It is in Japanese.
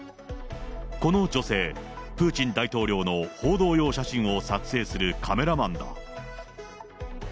この女性、プーチン大統領の報道用写真を撮影するカメラマンだ。